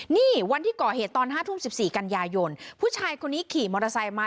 นี่วันที่ก่อเหตุตอน๕ทุ่ม๑๔กันยายนผู้ชายคนนี้ขี่มอเตอร์ไซค์มา